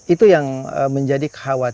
itu yang menjadi kekhawatiran